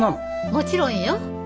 もちろんよ。